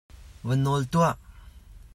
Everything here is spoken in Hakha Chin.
Va nawl tuah!